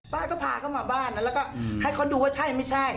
ป้าก็พาเขามาบ้านแล้วก็ให้เขาดูว่าใช่ไม่ใช่